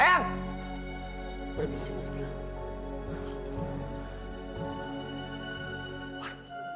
permisi mas gila